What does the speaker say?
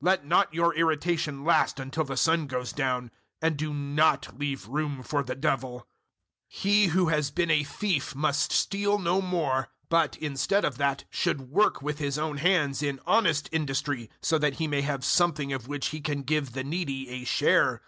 Let not your irritation last until the sun goes down; 004:027 and do not leave room for the Devil. 004:028 He who has been a thief must steal no more, but, instead of that, should work with his own hands in honest industry, so that he may have something of which he can give the needy a share.